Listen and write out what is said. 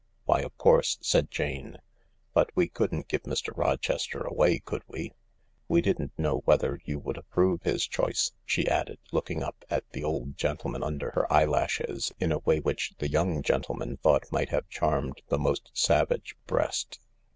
" Why, of course," said Jane ;" but we couldn't give Mr. Rochester away, could we ? We didn't know whether you would approve his choice," she added, looking up at the old gentleman under her eyelashes in a way which the young gentleman thought might have charmed the most savage breast.